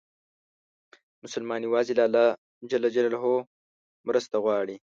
مسلمان یوازې له الله مرسته غواړي.